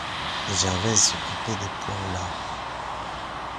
Gervaise s'occupait des pois au lard.